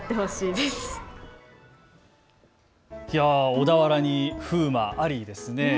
小田原に風魔ありですね。